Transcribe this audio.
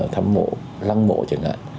thăm mộ lăng mộ chẳng hạn